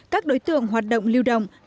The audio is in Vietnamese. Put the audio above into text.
các đối tượng hoạt động lưu động